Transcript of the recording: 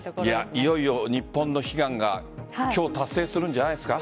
いよいよ日本の悲願が今日、達成するんじゃないですか。